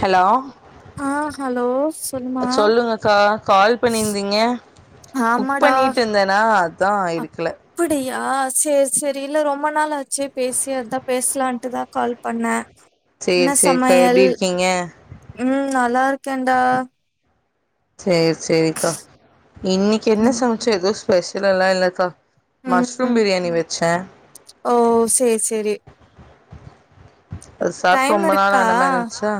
Hello ஆ hello சொல்லுமா சொல்லுங்கக்கா கால் பண்ணிருந்தீங்க குக் ஆமாடா பண்ணிட்டு இருந்தன்னா தான் இருக் அப்படியா சேர் சரி இல்ல ரொம்ப நாளாச்சே பேசி அதுதான் பேசலான்ட்டுதான் கால் பண்ணே சேரி என்ன சேரி ப்ப எப்டி சமையல் இருக்கீங்க ம் நல்லா இருக்கேன்டா சேரி சேரிக்கா இன்னைக்கு என்ன சமைச்ச எதோஸ் பெஷல் எல்ல இல்லக்கா உம் மஷ்ரூம் ம் பிரியாணி வச்சே ஓ சேர் சேரி அது சாப்ட்டு டைம் ரொம்ப நாள் இருக்கா ஆன மாரி இருந்துச்சா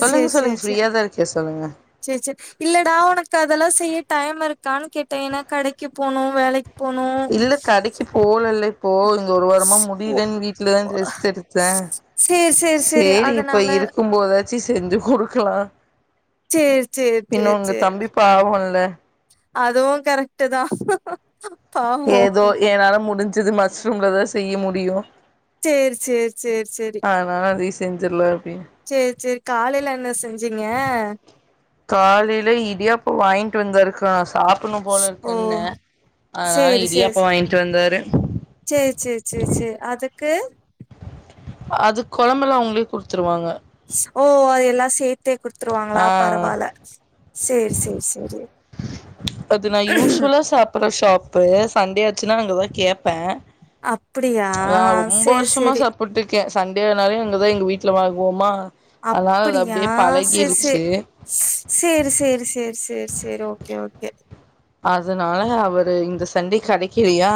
சொல்லுங்க சொல்லுங்க சேர்ச்சேர் ஃப்ரீயா தா இருக்கே சொல்லுங்க சேரிச்சேர் இல்லடா உனக்கு அதெல்லாம் செய்ய டைம் இருக்கான்னு கிட்டே ஏன்னா கடைக்கு போணும் வேலைக் இல்ல கடைக்கு போலல்ல போதும் ஒரு வாரமா ஓ முடிலன்னு வீட்டுல தான் ரெஸ்ட் எடுத்தன் சேரி இப்ப இருக்கும் போத வச்சி செஞ்சு கொடுக்கலாம் சேரி சேரி பின்னு உங்க தம்பி பாவன்ல அதுவும் கரெக்ட்டு தான் ஏதோ என்னால முடிஞ் இது மஸ்ரூம்ல தா செய்ய முடியு சேரிச்சேர் சேர்ச்சேரி செஞ்சிர்லா சேர்ச்சேரி காலையில என்ன செஞ்சீங்க ட்டு வந்தாருக்கா சாப்படணும் போல ஓ இருக்குன்ன அதனால சேரி சேரி இடியாப்ப சே வாங்கிட்டு வந்தாரு கு அதுக் கொழம்பெலா அவுங்களே குடுத்துருவாங்க ஸ் ஓ அதெல்லா சேத் ஆஹ் சேரி சேரி சேரி அது நா யூஸ்வலா சாப்படற ஷாப்பு சண்டே அ சின்னவங்கள கேப்பே அப்டியா லா ரொம்ப சேரி வருஷமா சேரி சாப்புட்டுக் கே சண்டேனாலே அங்க தா எங்க வீட்ல வாங்குவமா அப்படியா சேரி சேரி சேரி சேரி சேரி சேரி சேரி ஓக்கே ஓக் கே அதனால அவரு இந்த சண்டே கெடைக்கலியா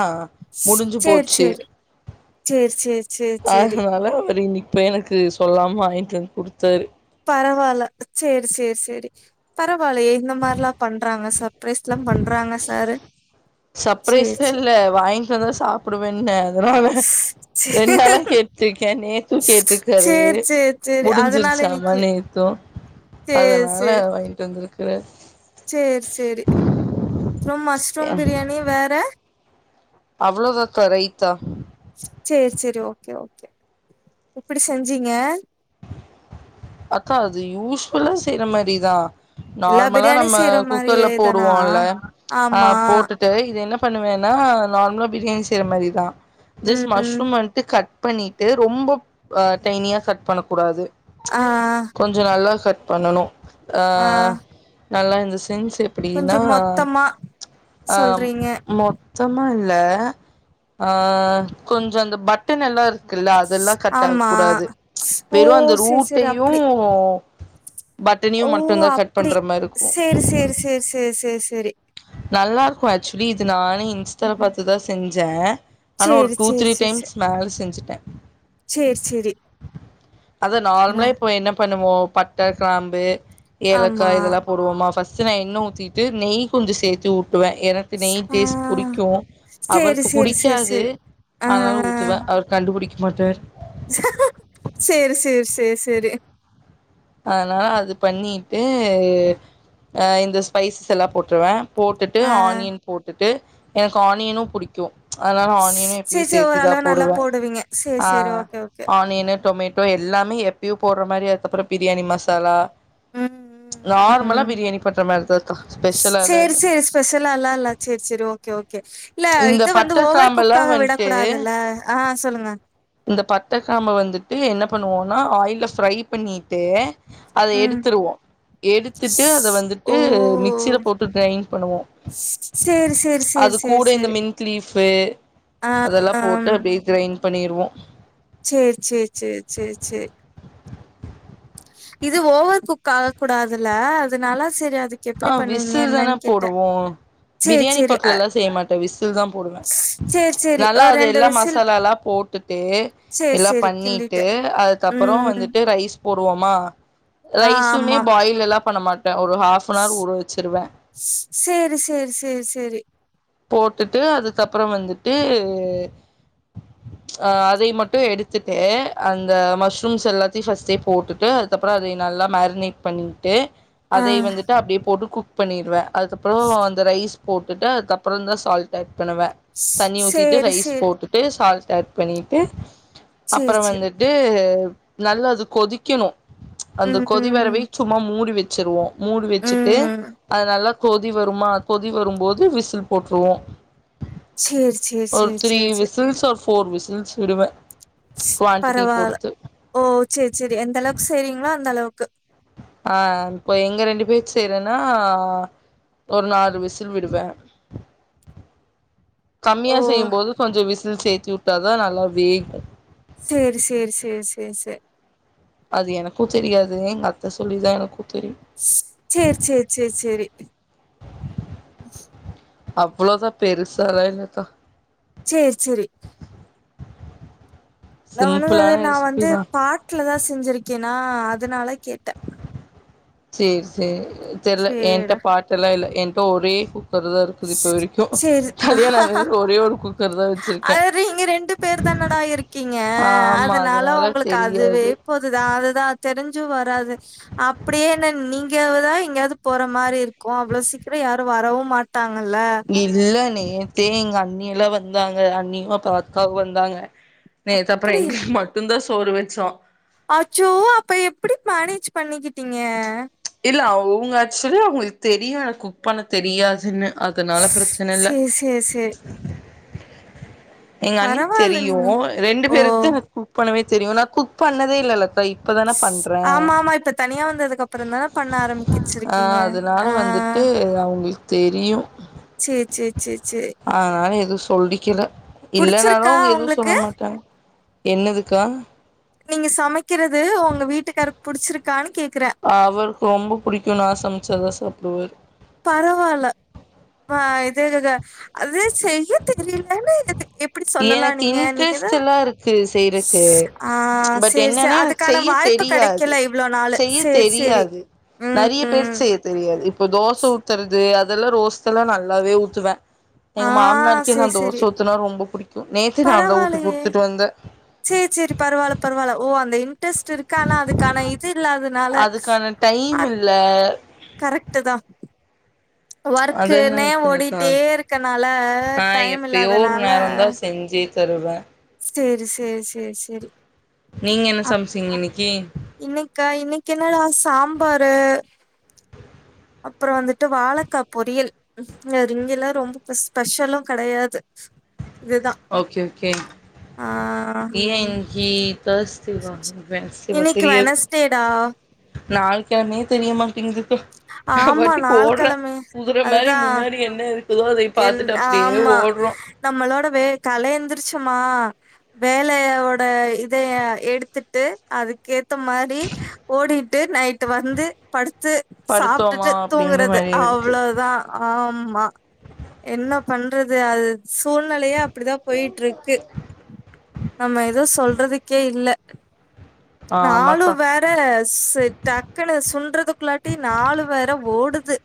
முடிஞ்சு சேரி போச்சு சேரி சேரி சேரி சேரி சேரி அதனால அவர் இன்னிக்கு எனக்கு சொல்லாம வாங்கிட்டு வந்து குடுத்தாரு பரவால செரி செரி செரி பர பரவாலயே இந்த மார்லா பண்றாங்க ச்பரைஸ்ல பண்றாங்க சாரு செர் சர்ப்ரைஸ்லா செர் இல்ல வாங்கிட்டு வந்தா சாப்பிடுவேன்ன அதனால செரி ரெண்டு நாளா கேட்டுருக்கே நேத்து கேட்டிருக்காரு செர் செர் செரி அதனால இனிக் [unintelligible] நேத்தும் அதனால வாய்ட்டு வந்துருக் க்ரு செர் செரி அப்ரொ மஷ்ரூம் பிரியாணி வேற அவ்வளோதாத்த ரய்த்தா செர் செரி ஓகே ஓகே எப்படி செஞ்சீங்க அக்கா அது யூஸ்வுல்லா செய்யற மாரிதா எல்லா நார்மலா பிரியாணியு நம்ம செய்ற மாரியே குக்கர்ல தானா போடுவோல ஆமா ஆஹ் போட்டுட்டு இது என்ன பண்ணுவேன்னா நார்மலா பிரியாணி செய்யற மாரி தா ஜஸ் ம் ம். மஷ்ரூம் வன்ட்டு கட் பண்ணிட்டு ரொம்பொ அ டைனியா கட் பண்ண கூடாது ஆ கொஞ்சொ நல்லா கட் பன்னனு ஆ ஆஹ் நல்லா இருந்துச்சு லென்ஸ் கொஞ்சோ எப்படினா மொத்தமா அ சொல்றீங்க மொத்தமா. இல்ல ஆஹ கொஞ்சொ அந்த பட்டன் எல்லா இருக் க்குல்ல அதெல்லா கட் ஆக ஆமா கூடாது. ஓ வெறு அந்த சேரி சேரி ரூட்டையு அப்டி பட்டனையு ஓ! மட்டு தா கட் அப்படி. பண்ற மாரி இருக்கு. இது செரி. நல்லா இருக்கு ஆக்சுலி இது நானே. இன்ஸ்டா ம். பாத்தத்துதா செஞ் ஜா ஆனா ஒரு சேரி, டூ சேரி, த்ரீ சேரி, டைம்ஸ் மேல செஞ்சுட சே சேரி, சேரி. அத அ நார்மலா இப்ப என்ன பண்ணுவோ பட்ட கிராம்பு ஆமா. ஏலக்கா இதெல்லா போடுவோமா ஃபஸ்ட் சுன என்ன உத்திட்டு நெய் கொஞ்ச சேத்துட் எனக்கு நெய் ஆ டேஸ்ட் புடிகு சேரி, அவருக்கு சேரி, சேரி, புடிக்காது சேரி. ஆ. ஆனாலு ஊதுவே அவர் கண்டுபுடிக்க பட்டர் செரி செரி செரி செரி அனால அது பண்ணிட்டு அ இந்த ஸ்பைஸ்லா போட்ருவே. போட்டுட்டு ஆ. ஆனியன் போட்டுட்டு. எனக்கு ஆனியனும் புடிக்கு அதனால ஆனியன எப்யு சேரி, சேரி சேர்த்திதா ஓரளவு நல்லா போடுவே போடுவீங்க. சேரி, சேரி. ஆஹ் ஓகே, ஓகே. ஆனியன் டொமேட்டோ எல்லாமே எப்யூ போற மாரி அதுகப்புறம் பிரியாணி மசாலா உம் நார்மலா உம் பிரியாணி பண்ற மாரிதாக்கா ஸ் ஸ்பெஷலாலா செரி இல்ல செரி ஸ்பெஷல இல்ல செரி செரி ஓகே ஓகே இல்ல இந்த இத வந்து பட்ட ஓவர் கிராம்பெல்லா குக்காக விடக் வந்ட்டு கூடாதுல்ல ஆஹ் சொல்லுங்க. இந்த பட்ட கிராம்பு வந்துட்டு என்ன பண்ணுவோனா ஆயில்ல ஃப்ரை பண்ணிட்டு. அத ம். எடுத்துடுவோ எடுத்துட்டு அத வந்துட்டு மிக்சில ஓ! போட்டு கிரைண் பண்ணுவோ சேரி சேரி சேரி அதுக் சேரி கூட இந்த சேரி மிட் லீஃபு ஆ அதெல்லா போட்டு அப்டியே கிரைன் பண்ணிறுவோ செர் செர் செர் செர் செர் இது ஓவர் குக் ஆக கூடாதுல்ல அதுனால சரி அ ஆஹ் விசில் தானே போடுவோ சேரி பிரியாணி சேரி அ பொட்லளா செய்ய மாட்டே விசில் தா போடுவே சேரி சேரி நல்லா ஒரு அது ரெண்டு எல்லா விசில் மசாலாலா போட்டுட்டு சேரி எல்லா சேரி பண்ணிட்டு கிண்டிட்டே அதுக்கப்புரொ ம் வந்துட்டு ரைஸ். போடுவோமா ஆ ரைசுமே ஆமா பாய்ல் எல்லா பண்ண மாட்டே ஒரு ஹா குனார் ஊற வச்சுருவே செரி செரி செரி செரி போட்டுட்டு அதுக்கப்புறொ வந்துட்டு அஹ அதை மட்டு எடுத்துட்டு அந்த மஷ்ரூம்ஸ் எல்லாத்தையு ஃபஸ்ட்டே போட்டுட்டு அதுக்கப்புறொ அதை நல்லா மேக்னேட் பண்ணி ட்டு ஆ அதை வந்துட்டு அப்டியே போட்டு குக் பண்ணிடுவே அதுக்கப்புறொ அந்த ரைஸ் போட்டுட்டு அதுக் அப் அப்ரொந்தா சால்ட் ஆட் பண்ணுவே தண்ணி ஊத்திட்டு சேரி ரைஸ் சேரி போட்டுட்டு சால்ட் ஆட் பண்ணிட்டு சேரி அப்றொ சேரி வந்துட்டு நல்லா அது கொதிக்கனு அந்த கொதிவரவை ம் சும்மா மூடி வச் சுருவோ மூடி வச்சுட்டு ம் அது நல்லா கொ கொதி வருமா கொதி வரும்போது விசில் போற்றுவோ சேரி சேரி ஒரு சேரி த்ரீ சேரி விசில்ஸ் ஆர் ஃபோர் விசில்ஸ் விடுவே ஸ் குவான்டிட்டி பரவால பொறுத்து ஓ செர் செரி எந்த அளவுக்கு செய்ரிங்களோ அந்த அளவுக் க்கு ஆஹ் இப்ப எங்க ரெண்டு பேர் செய்றேனா ஒரு நாலு விசில் விடுவே ஓ கம்மியா செய்யும்போது கொஞ்சொ விசில் சேர்த்தி உட் டதா நல்லா வேகு செரி செரி செர் செர் செ அது எனக்கு தெரியாது எங்க அத்த சொல்லிதா எனக்கு தெரியு செர் செர் செர் செரி அவ்வளோதா பெருசலா இல்லகா செர் செரி நானு சிம்பிளான நா ரெசிபி வந்து தா பாட்ல தா செஞ்சிருக் ஓக்கேனா அதுனால கேட்டே செர் செ தெர்ல ஏன்ட்ட பாட்டலா இல்ல என் ஒரே ஹு ஸ் செரி ஆனதுலருந்து ஒரே ஒரு குக்கர் தா வச்சிருக்கே அது நீங்க ரெண்டு பேர் தானடா இருக்கீங்க ஆமா அதுனால அதனால உங்களுக்கு அதுவே தெரியாது போதுதா அதுதா தெரிஞ்சு வராது அப்டியே என்ன நீங்கதா எங்கேயாவது போற மாரி இருக் கு அவ்ளோ சீக்கிரொ யாரு வரவும் மாட் இதுல நீ நேத்தே எங்க அண்ணியலா வந்தாங்க அண்ணியு அக்காவு வந்தாங்க நேத்தப்புரொ அப்டி எங்க மட்டுதா சோறு வச்சொ அச்சோ அப்ப எப்படி மனேஜ் பண்ணிகிட்டீங்க இல்ல அவுங்க ஆக்சுவலி அவங்ளுகு தெரியாது குக் பண்ண தெரியாதுன்னு அதனால பிரச்சன இல்ல சேரி சேரி சேரி எங்க அண்ணி பரவால்ல தெரியொ நீங்க ரெண்டு ஓ பேருக்கு குக் பண்ணவே தெரியொ நான் குக் பண்ணதே இல்லல்லக் ஸ் ஆமா ஆமா இப்ப தனியா வந்தது அப் ப்புரொ தான பண்ண ஆ ஆரம்பிக்கச்சிருக்கீங்க அதனால வந்துட்டு ஆஹ் அவங்களுக்கு தெரியு செர் செர் செர் செ சொல்லிக்கில இல்னாலும் எதுவு சொல்ல உங்களுக்கு மாட்டாங்க. என்னதுக்கா நீங்க சமைக்கறிறது உங்க வீட்டுக்காருக்கு புடிச்சிருக்கான்னு கே அவருக்கு ரொம்ப புடிக் னா சமச்சதசாப்படுவார் பரவாயில்ல ஆ இதேதா அது செய்ய தெரியலன்னு எப்டி சொல்லலா எனக்கு நீங்க இன்ட்ரெஸ்ட் நீங்கதா எல்லா இருக்கு செய்ரதுக்கு ஆ பட் சேரி என்ன சேரி நா அதுக்கான செய்ய வாய்ப்பு தெரியாது. கெடைக்கல இவ்ளோ நாளு செய்ய சேரி சேரி தெரியாது நிறைய ம் பேருக்கு செய்ய தெரியாது. தோச ஊத்துறது அது அதெல்லா ரோஸ்ட்ல்லா நல்லாவே ஊத்துவ ஆ எங்க மாமனாருக்கே நா தோச ஊத்துனா ரொம்ப புடிக்கு நேத்து நான்தா ஊத்தி பரவாயலையே குடுத்துட்டு வந்தே சரி சரி பரவாயில்ல பரவாயில்ல ஓ அந்த இன்ட்ரெஸ்ட் இருக்க ஆனா அதுக்கான இது இல்ல அதுக்கான டைம் இல்ல கரெட்டுதா அதெல்லா ஒர்க்குக்ன்னே இருக்குல்லக்கா ஓடிட்டே இருக்கனால ஆ டைம் இல்லாதனால தருவ சரி சரி சரி சரி நீங்க என்ன சமைச்சீங்க இன்னைக்கி இன்னைக்கா இன்னைக்கு என்ன னா சாம்பாரு. அப்புறம் வந்துட்டு வாழைக்கா பொரியல் இங்க எல்லா ரொம்ப ஸ்பெஷலும் கிடையாது. ஓகே ஓகே ஏன் ஏ [unintelligible] இன்னைக்கு தெரியாது வெனஸ்டேடா நால் கிழமையே தெரியமாட்டிங்குது ந ஆமா பத்தி நாள் போடுறேன் கெழமை குதற மாதிரி அதுதா முன்னாடி என்ன இருக்கு ஆமா நம்மளோட வே காலைல எந்திரிச்சுமா வேலையோட இதைய எடுத்துட்டு அதுக்கேத்த மாதிரி ஓடிட்டு நைட்டு வந்து படுத் படுத்தோமா சாப்பிட்டுட்டு அப்டின்ற தூங்குறது மாரி இருக்கு அவ்வளோதான் ஆம் மா என்ன பண்றது அது சூழ்நிலையே அப்படிதான் போயிட்டு இருக்கு. நம்ம ஏதோ சொல்றதுக்கே இல்ல ஆமாக்கா நாளும் வேற டக்குனு ஸ் என்றதுக்குள்ள நாலு வேர ஓடுது.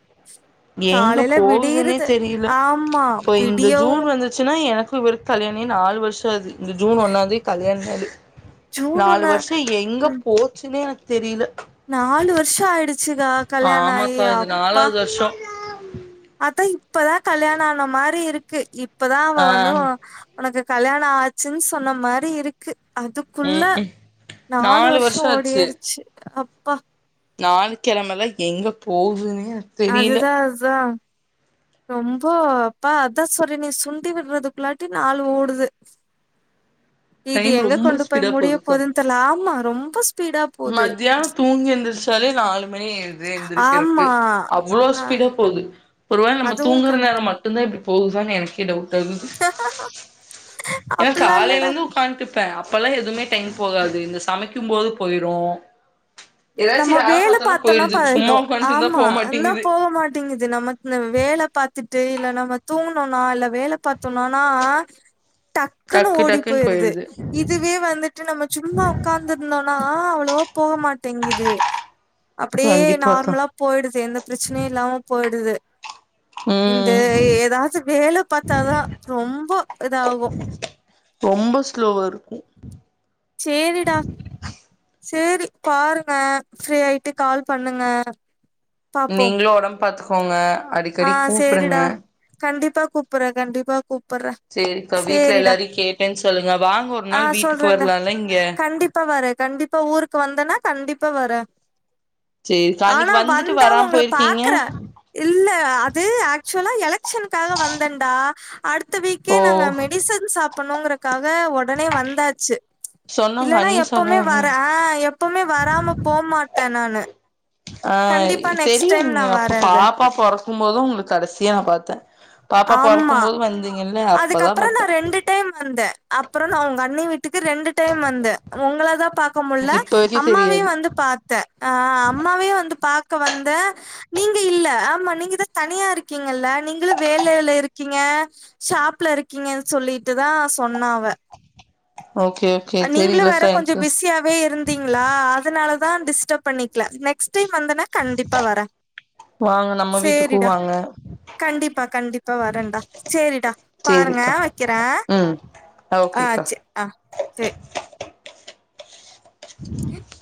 எங்க காலைல போகுதுன்னே விடியறது. தெரியல ஆமா. இப்போ இந்த ஜூன் விடியவும் வந்துச்சுன்னா எனக்கு ரு கல்யாணாஆகி நாலு வருஷ ஆவுது இந்த ஜூன் ஒன்னாந்தேதி கல்யாண நாலு ஜூன் நாலு ஒண்ணு வருஷம் எங்க போச்சுன்னே எனக்குக் தெரில நாலு வருஷ ஆயிடுச் ஆமா பா இது நாலாவது வருஷம் அதான் இப்பதா கல்யாணம் ஆன மாரி இருக்கு இப் இப்பதான் அவ ஆ வந்து வ உனக்கு கல்யாண ஆச்சுன்னு சொன்ன மாரி இருக்கு அதுக்குள்ள ம் ம் நாலு வருஷம் ஓடியிருச்சு அப் அப்பா நாள் கிழமைல எங்க போகுதுன் அதுதான் அதுதா ரொம்ப அப்பா அதான் சொல்ரனே சுண்டி விட்றதுக்குள்ளாட்டி நாளு ஓடுது இது டைம் எங்க ரொம்ப கொண்டு போய் முடிய போதுன்னு தெரில ஆமா ரொம்ப ஸ் மத்தியானம் தூங்கி எந்திரிச்சாலே நாலு மணியாரது எந்திரிக்கிறதுக்கு ஆமா. அவ்வளோ நான் ஸ்பீடா போகுது ஒருவேள நம்ம அதுவும் தூங்குற கரெக்ட். நேரம் மட்டும்தான் இப்படி போகுது [unintelligible] டவுட்டா ஆகுது ஏன்னா அப்டிலாம் காலையில இல்லடா. இருந்து உட்காந்டுருப்பேன் அப்பல்லாம் எதுமே டைம் போகாது இந்த சமைக்கும்போது போயிரு நம்ம வேல பாத்தோனா பார்த்தோனா ப போயிடுது சும்மா பாய்டு உட்காந்துட்டு இருந்தா ஆமா போ அந்தா மாட்டேங்குது போ மாட்டேங்குது நம்ம வேல பாத் பத்துட்டு இல்ல நம்ம தூங்கணுனா இல்ல வேல பாத்தோனனா டக்குன்னு டக்கு ஓடி டக்குன்னு போயிருது போயிடுது இதுவே வந்துட்டு நம்ம சும்மா உ்காந்து இருந்தோனா ஆ அவ்வளவா போகமாட் மாட்டிங்குது அப்படியே கண்டிப்பாக்கா நார்மலா போயிடுது எந்த பிரச்சனையு இல்லாம போயிடுது இந்த ம் ஏதாச்சு வேல பார்த்தாதான் ரொம்ப இதாகும் ரொம்ப ஸ்லோவா இருக்கு சேரிடா சரி பாருங்க ஃப்ரீ ஆயிட்டு கால் பண்ணுங்க பாப்போ நீங்களும் உடம்ப பார்த்துக்கோங்க ஆ சேரிடா கண்டிப் ப்பா கூப்பற கண்டிப்பா கூப் சரிக்கா வீட்ல எல்லாரையு கேட்டேன்னு சொல்லுங்க வாங்க ஒரு ஆ நாள் வீட்டுக்கு சொல்றேன்டா வரலால இங்க கண்டிப்பா வரே கண்டிப்பா ஊருக்கு வந்தன்னா கண்டிப்பா வர சரிக்கா அன்னைக்கு வந்துட்டு வராம போயிருக்கீங்க பாக்குறே இல்ல அது ஆக்சுவலா எலெக்ஷனுக்காக வந்தேன்டா அடுத் த வீக்கே ஓ நாங்க மெடிசன் சாப் பண்ணுங்கறக்கா ஆ உடனே வந்தாச்சு சொன்னாங்க இல்லன்னா அண்ணி எப்போமே சொன்னாங்க வர ஆ எப்போமே வராம போமாட் தனானு ஆ தெரியும்ணி அப்ப வரது பாப்பா பொறக் பும்போது உங்கள கடைசியா நா பாத்தே பாப்பா ஆமா பொறக்கும் போது வந்தீங்கல்ல அப்பதா அதுக்கப்புற நா பாத்தே ரெண்டு டைம் வந்தேன் அப்புறம் நான் உங்க அண்ணி விட்டு க்கு ரெண்டு டைம் வந்த உங்கள தா பாரக்க முல எனக்கு இப்ப வரைக்கு அம்மாவையு தெரியாது வந்து பார்த்த அம்மாவே வந்து ப க்கு வந்த நீங்க இல்ல ஆமா நீங்க தா தனியா இருக்கீங்கில்ல நீங்களு வேலைல இருக்கீங்க ஷாப்ல இருக்கீங்கனு சொல்லிட்டுதா சொன்னாவ ஓகே ஓகே நீங்களு வேற தெரியலக்கா கொஞ்சோ எனக்கு பிஸியாவே இருந்தீங்களா அதனாலத தா டிஸ்டர்ப் பண்ணிக்கல நெக்ஸ்ட் டைம் வந்தனா கண்டிப்பா வரே வாங்க நம்ம வீட்டுக்கு சேரிடா வாங்க கண்டிப்பா கண்டிப்பா வரேன்டா சேரிடா பாருங்க சேரிக்கா வக்கிறே ம் ஆ ஓகேக்கா சேரி ஆ [inaudible] [inaudible]